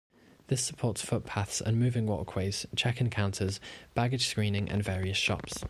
This supports footpaths and moving walkways, check-in counters, baggage screening and various shops.